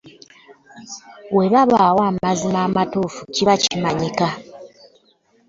We wabaawo amazima amatuufu kiba kimanyika.